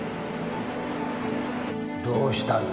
どうしたんだ？